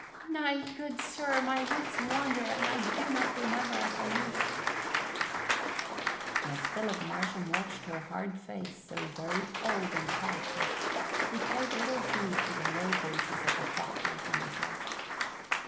"Nay, good sir, my wits wander and I do not remember as I used." As Philip Marsham watched her hard face, so very old and crafty, he paid little heed to the low voices of the proctors and the Judge.